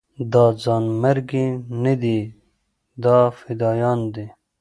دا ځانمرګي نه دي دا فدايان دي.